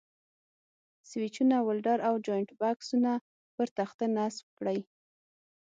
سویچونه، ولډر او جاینټ بکسونه پر تخته نصب کړئ.